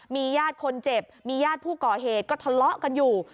มีญาติคนเจ็บมีญาติผู้ก่อเหตุก็ทะเลาะกันอยู่